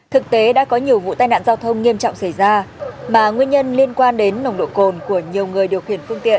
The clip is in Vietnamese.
thực tế đã có nhiều vụ tai nạn giao thông nghiêm trọng xảy ra mà nguyên nhân liên quan đến nồng độ cồn của nhiều người điều khiển phương tiện